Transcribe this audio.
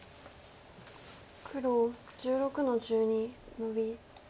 黒１６の十二ノビ。